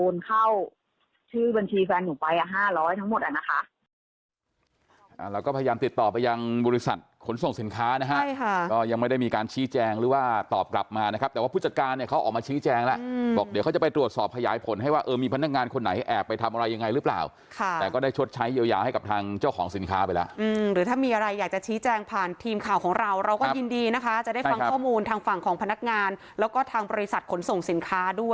เราก็พยายามติดต่อไปยังบริษัทขนส่งสินค้านะฮะก็ยังไม่ได้มีการชี้แจงหรือว่าตอบกลับมานะครับแต่ว่าผู้จัดการเขาออกมาชี้แจงแล้วบอกเดี๋ยวเขาจะไปตรวจสอบพยายายผลให้ว่ามีพนักงานคนไหนแอบไปทำอะไรยังไงหรือเปล่าแต่ก็ได้ชดใช้ยาวให้กับทางเจ้าของสินค้าไปแล้วหรือถ้ามีอะไรอยากจะชี้แจงผ่านทีมข